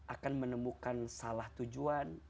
akan menemukan salah tujuan